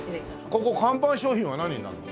ここ看板商品は何になるの？